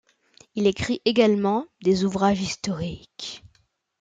Il écrit également des ouvrages historiques.